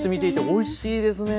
おいしいですよね。